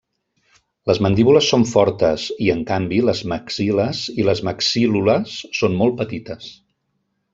Les mandíbules són fortes i, en canvi, les maxil·les i les maxíl·lules són molt petites.